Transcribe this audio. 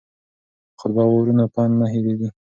که خطبه واورو نو پند نه هیریږي.